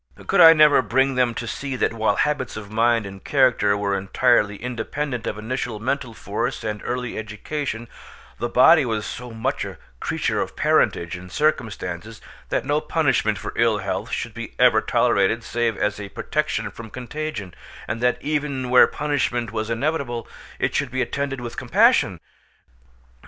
Could I never bring them to see that while habits of mind and character were entirely independent of initial mental force and early education, the body was so much a creature of parentage and circumstances, that no punishment for ill health should be ever tolerated save as a protection from contagion, and that even where punishment was inevitable it should be attended with compassion?